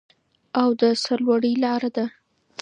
او د سرلوړۍ لاره ده.